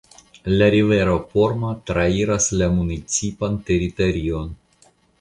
La rivero Porma trairas la municipan teritorion.